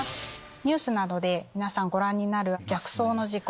ニュースなどで皆さんご覧になる逆走の事故。